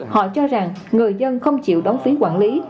họ cho rằng người dân không chịu đóng phí quản lý